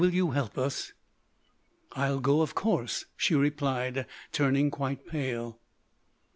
Will you help us?" "I'll go, of course," she replied, turning quite pale.